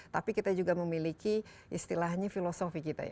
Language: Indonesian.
tapi kita juga memiliki istilahnya filosofi kita ya